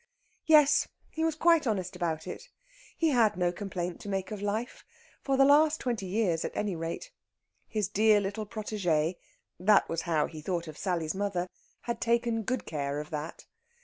Yes, he was quite honest about it. He had no complaint to make of life, for the last twenty years at any rate. His dear little protégée that was how he thought of Sally's mother had taken good care of that.